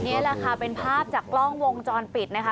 นี่แหละค่ะเป็นภาพจากกล้องวงจรปิดนะคะ